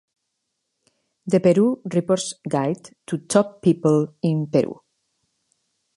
"The Peru Report's Guide to Top People in Peru".